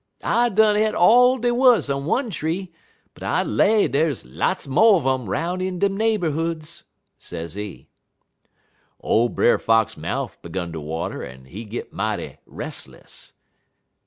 I done e't all dey wuz on one tree, but I lay dey's lots mo' un um 'roun' in dem neighborhoods,' sezee. "Ole Brer Fox mouf 'gun to water, en he git mighty restless.